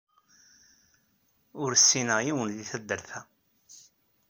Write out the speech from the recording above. Ur ssineɣ yiwen deg taddart-a.